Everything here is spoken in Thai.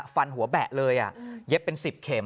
ฟันหัวแบะเลยเย็บเป็น๑๐เข็ม